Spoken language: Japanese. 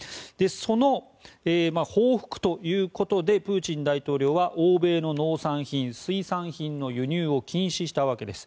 その報復ということでプーチン大統領は欧米の農産品、水産品の輸入を禁止したわけです。